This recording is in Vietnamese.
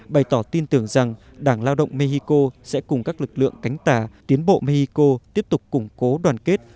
bày tỏ tin tưởng rằng đảng lao động mexico sẽ cùng các lực lượng cánh tả tiến bộ mexico tiếp tục củng cố đoàn kết